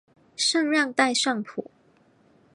圣让代尚普。